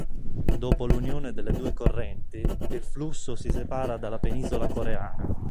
Dopo l'unione delle due correnti, il flusso si separa dalla penisola coreana.